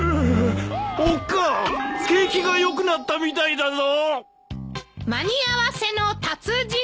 おっかあ景気が良くなったみたいだぞ！